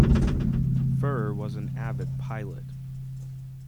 Furrer was an avid pilot.